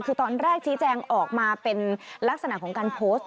คือตอนแรกชี้แจงออกมาเป็นลักษณะของการโพสต์